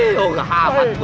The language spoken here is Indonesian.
ih oh gak aman gue aman